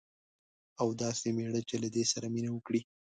او داسي میړه چې له دې سره مینه وکړي